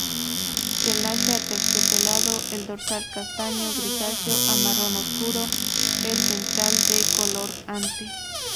Pelaje aterciopelado, el dorsal castaño grisáceo a marrón obscuro, el ventral de color ante.